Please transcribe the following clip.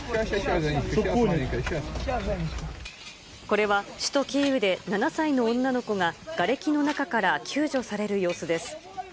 これは、首都キーウで７歳の女の子ががれきの中から救助される様子です。